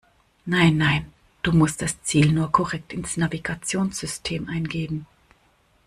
Nein, nein, du musst das Ziel nur korrekt ins Navigationssystem eingeben.